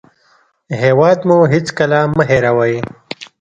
هېواد مو هېڅکله مه هېروئ